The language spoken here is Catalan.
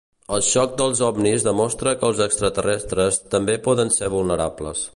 El xoc dels ovnis demostra que els extraterrestres també poden ser vulnerables.